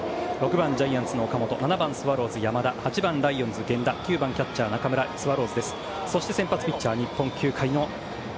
６番ジャイアンツの岡本７番、スワローズの山田８番、ライオンズの源田９番、キャッチャー、中村はスワローズです。